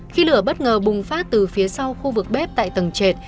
khi lửa bất ngờ bùng phát từ phía sau khu vực bếp tại tầng trệt